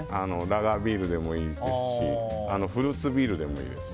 ラガービールでもいいですしフルーツビールでもいいです。